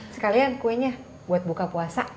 sekalian kuenya buat buka puasa